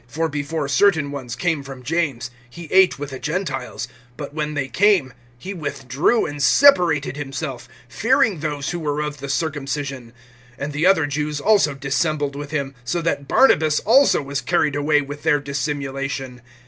(12)For before certain ones came from James, he ate with the Gentiles; but when they came, he withdrew and separated himself, fearing those who were of the circumcision. (13)And the other Jews also dissembled with him, so that Barnabas also was carried away with their dissimulation.